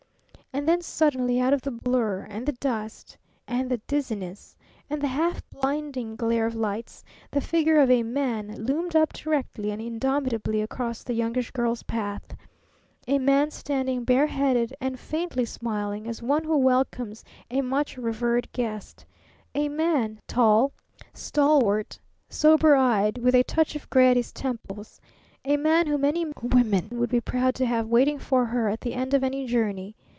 And then suddenly, out of the blur, and the dust, and the dizziness, and the half blinding glare of lights, the figure of a Man loomed up directly and indomitably across the Youngish Girl's path a Man standing bare headed and faintly smiling as one who welcomes a much reverenced guest a Man tall, stalwart, sober eyed, with a touch of gray at his temples, a Man whom any woman would be proud to have waiting for her at the end of any journey.